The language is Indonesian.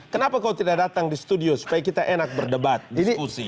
kenapa kau tidak datang di studio supaya kita enak berdebat di diskusi